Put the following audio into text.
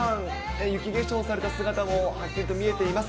雪化粧された姿もはっきりと見えています。